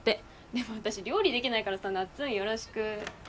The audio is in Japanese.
でも私料理できないからさなっつんよろしく。